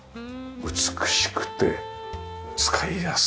美しくて使いやすそう。